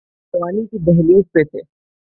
جوانی کی دہلیز پہ تھے۔